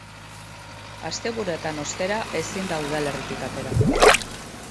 Asteburuetan, ostera, ezin da udalerritik atera.